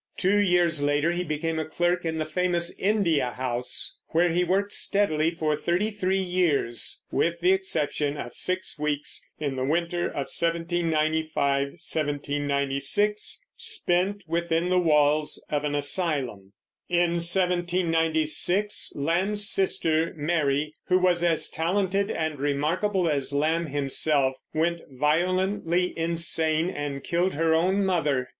Two years later he became a clerk in the famous India House, where he worked steadily for thirty three years, with the exception of six weeks, in the winter of 1795 1796, spent within the walls of an asylum. In 1796 Lamb's sister Mary, who was as talented and remarkable as Lamb himself, went violently insane and killed her own mother.